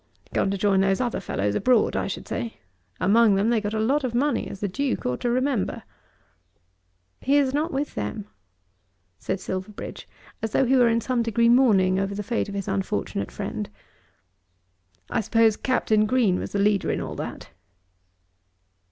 "Gone to join those other fellows abroad, I should say. Among them they got a lot of money, as the Duke ought to remember." "He is not with them," said Silverbridge, as though he were in some degree mourning over the fate of his unfortunate friend. "I suppose Captain Green was the leader in all that?"